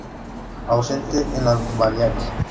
Ausente en las Baleares.